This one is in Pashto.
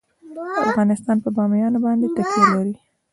افغانستان په بامیان باندې تکیه لري.